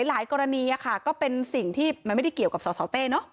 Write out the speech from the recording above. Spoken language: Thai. หลายกรณีค่ะก็เป็นสิ่งที่มันไม่ได้เกี่ยวกับสสเต้เนอะ